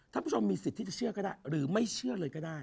ท่านผู้ชมมีสิทธิ์ที่จะเชื่อก็ได้หรือไม่เชื่อเลยก็ได้